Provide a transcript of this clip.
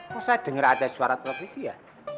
kok saya dengar ada suara televisi ya